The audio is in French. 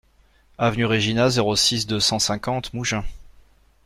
Avenue Regina, zéro six, deux cent cinquante Mougins